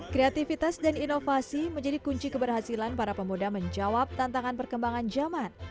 kreativitas dan inovasi menjadi kunci keberhasilan para pemuda menjawab tantangan perkembangan zaman